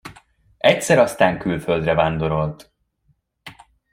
Egyszer aztán külföldre vándorolt.